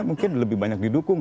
mungkin lebih banyak didukung